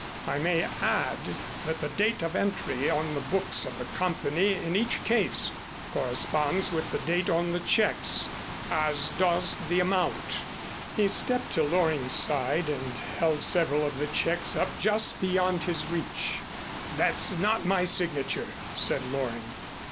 I may add that the date of entry on the books of the company in each case corresponds with the date on the checks, as does the amount." He stepped to Loring's side and held several of the checks up just beyond his reach. "That's not my signature," said Loring.